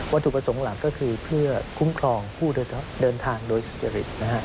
ถูกประสงค์หลักก็คือเพื่อคุ้มครองผู้เดินทางโดยสุจริต